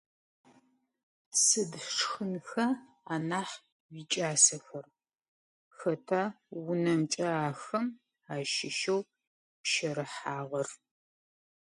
Сыд шхынха анахь уикӏасэхэр? Хэта унэмкӏэ ахэм ащыщэу пщэрыхьагъэр?